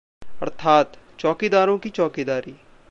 अर्थात्- चौकीदारों की चौकीदारी